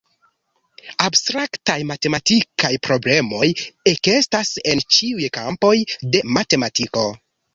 Abstraktaj matematikaj problemoj ekestas en ĉiuj kampoj de matematiko.